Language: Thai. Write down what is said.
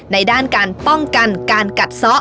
ด้านการป้องกันการกัดซ้อ